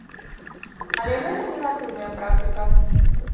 Але гэта негатыўная практыка.